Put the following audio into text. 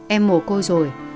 em mồ côi rồi